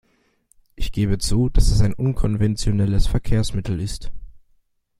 Ich gebe zu, dass es ein unkonventionelles Verkehrsmittel ist.